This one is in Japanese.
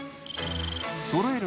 そろえる